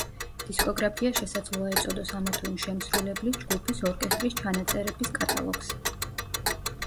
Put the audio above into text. დისკოგრაფია შესაძლოა ეწოდოს ამა თუ იმ შემსრულებლის, ჯგუფის, ორკესტრის ჩანაწერების კატალოგს.